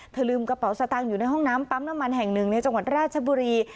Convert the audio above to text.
ลืมกระเป๋าสตางค์อยู่ในห้องน้ำปั๊มน้ำมันแห่งหนึ่งในจังหวัดราชบุรี